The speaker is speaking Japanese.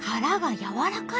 やわらかい！